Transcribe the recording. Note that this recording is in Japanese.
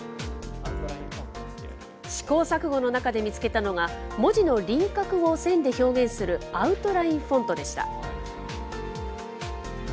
試行錯誤の中で見つけたのが、文字の輪郭を線で表現するアウトラインフォントでした。